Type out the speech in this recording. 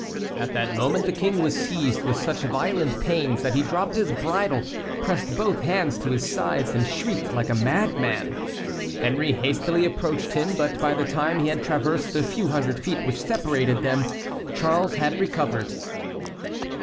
At that moment the King was seized with such violent pains that he dropped his bridle, pressed both hands to his sides, and shrieked like a madman. Henry hastily approached him, but by the time he had traversed the few hundred feet which separated them, Charles had recovered.